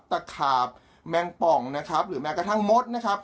ตะขาบแมงป่องนะครับหรือแม้กระทั่งมดนะครับ